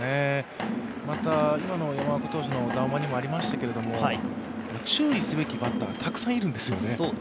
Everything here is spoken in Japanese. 今の山岡投手の談話にもありましたけど注意すべきバッターがたくさんいるんですよね。